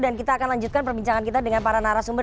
dan kita akan lanjutkan perbincangan kita dengan para narasumber